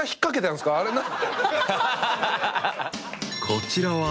［こちらは］